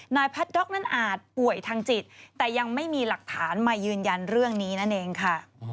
แพทย็อกนั้นอาจป่วยทางจิตแต่ยังไม่มีหลักฐานมายืนยันเรื่องนี้นั่นเองค่ะ